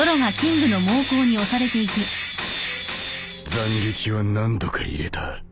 斬撃は何とか入れた